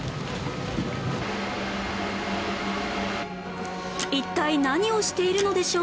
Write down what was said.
一体何をしているのでしょうか？